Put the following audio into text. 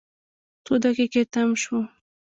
څو دقیقې تم شوو.